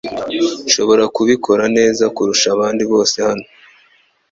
Nshobora kubikora neza kurusha abandi bose hano.